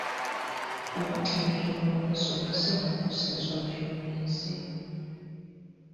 Obutabeerawo bw'omusomesa bukosa ensoma y'omuyizi?